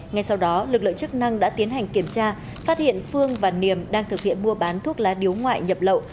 ngay sau đó lực lượng chức năng đã tiến hành kiểm tra phát hiện phương và niềm đang thực hiện mua bán thuốc lá điếu ngoại nhập lậu